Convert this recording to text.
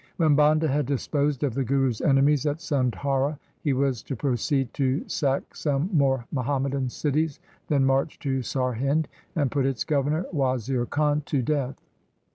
When Banda had disposed of the Guru's enemies at Sadhaura, he was to proceed to sack some more Muhammadan cities, then march to Sarhind, and put its governor Wazir Khan to death.